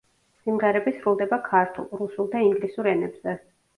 სიმღერები სრულდება ქართულ, რუსულ და ინგლისურ ენებზე.